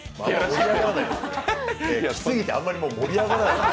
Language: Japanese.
来すぎてあんまり盛り上がらないね。